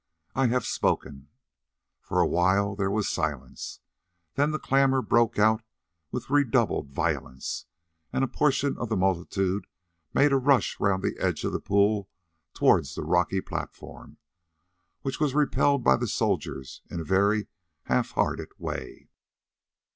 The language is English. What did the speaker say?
I have spoken." For a while there was silence, then the clamour broke out with redoubled violence, and a portion of the multitude made a rush round the edge of the pool towards the rock platform, which was repelled by the soldiers in a very half hearted way.